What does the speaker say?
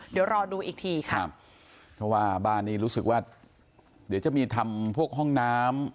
เดี๋ยวรอดูอีกทีค่ะครับเพราะว่าบ้านนี้รู้สึกว่าเดี๋ยวจะมีทำพวกห้องน้ำ